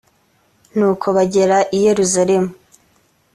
nuko bagera i yerusalemu